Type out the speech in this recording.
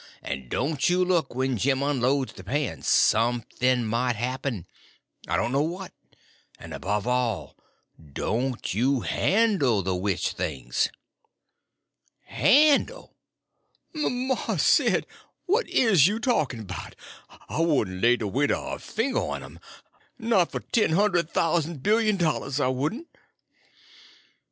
And don't you look when Jim unloads the pan—something might happen, I don't know what. And above all, don't you handle the witch things." "Hannel 'm, Mars Sid? What is you a talkin' 'bout? I wouldn' lay de weight er my finger on um, not f'r ten hund'd thous'n billion dollars, I wouldn't."